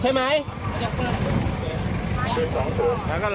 ขึ้นมาแล้วหนึ่งบอล